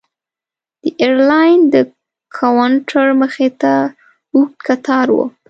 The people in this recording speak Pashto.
د ایرلاین د کاونټر مخې ته اوږد کتار و.